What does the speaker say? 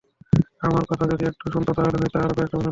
আমার কথা যদি একটু শুনত, তাহলে হয়তো আরও কয়েকটা বছর বাঁচত।